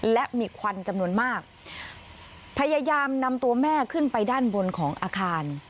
และมีควันจำนวนมากพยายามนำตัวแม่ขึ้นไปด้านบนของอาคาร